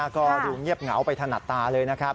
ก็ดูเงียบเหงาไปถนัดตาเลยนะครับ